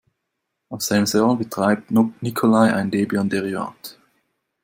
Auf seinem Server betreibt Nikolai ein Debian-Derivat.